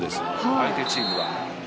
相手チームは。